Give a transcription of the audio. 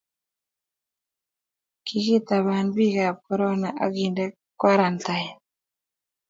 Kikitaban bikap korona akende karantain